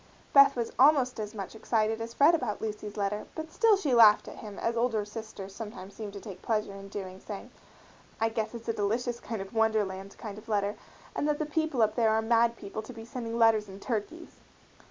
Beth was almost as much excited as Fred about Lucy's letter, but still she laughed at him as older sisters sometimes seem to take pleasure in doing, saying, "I guess it's a delicious wonderland kind of a letter, and that the people up there are mad people to be sending letters in turkeys!"